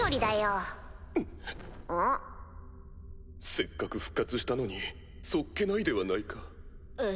せっかく復活したのに素っ気ないではないか。